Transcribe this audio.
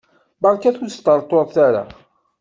Berkat ur sṭerṭuret ara!